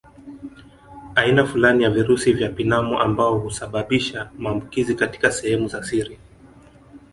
Aina fulani ya virusi vya pinamu ambao husababisha maambukizi katika sehemu za siri